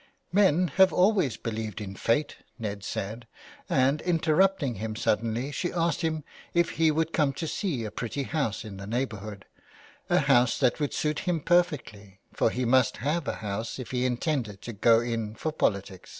" Men have always believed in fate," Ned said, and, interrupting him suddenly, she asked him if he would come to see a pretty house in the neighbourhood — a house that would suit him perfectly, for he must have a house if he intended to go in for politics.